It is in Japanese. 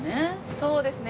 そうですね。